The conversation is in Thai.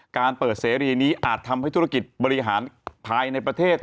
การเปิดเสรีนี้อาจทำให้ธุรกิจบริหารภายในประเทศ